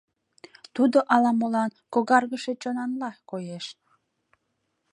Тудо ала-молан когаргыше чонанла коеш.